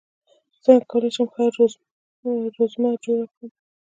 څنګه کولی شم ښه رزومه جوړ کړم